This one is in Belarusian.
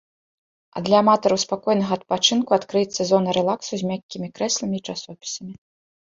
А для аматараў спакойнага адпачынку адкрыецца зона рэлаксу з мяккімі крэсламі і часопісамі.